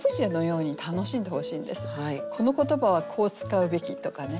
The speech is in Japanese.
「この言葉はこう使うべき」とかね